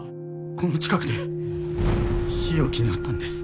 この近くで日置に会ったんです。